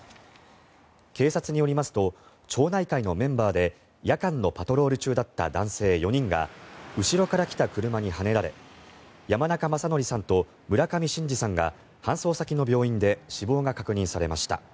警察によりますと町内会のメンバーで夜間のパトロール中だった男性４人が後ろから来た車にはねられ山中正規さんと村上伸治さんが搬送先の病院で死亡が確認されました。